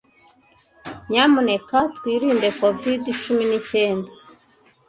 Nyamuneka twirinde covid cumi n'icyenda.